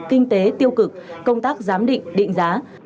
kinh tế tiêu cực công tác giám định định giá